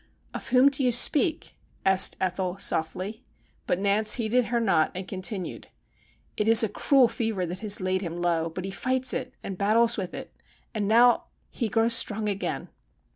' Of whom do you speak ?' asked Ethel softly ; but Nance heeded her not, and continued :' It is a cruel fever that has laid him low, but he fights it and battles with it, and now he grows strong again.'